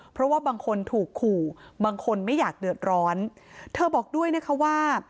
เพราะว่าบางคนถูกขู่บางคนไม่อยากเดือดร้อนเธอบอกด้วยนะคะว่า